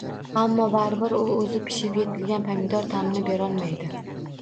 Ammo, baribir, u o’zi pishib yetilgan pomidor ta’mini berolmaydi.